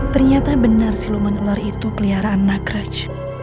ternyata benar ciuman ular itu peliharaan nagraj